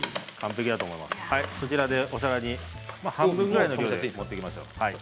そちらでお皿に半分ぐらいの量を盛っていきましょう。